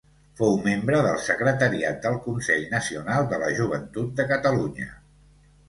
Fou membre del secretariat del Consell Nacional de la Joventut de Catalunya.